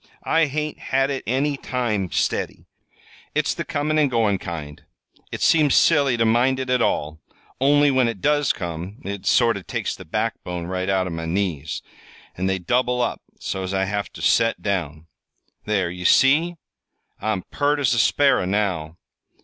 "I hain't had it any time, steady. It's the comin' an' goin' kind. It seems silly ter mind it at all; only, when it does come, it sort o' takes the backbone right out o' my knees, and they double up so's I have ter set down. There, ye see? I'm pert as a sparrer, now!"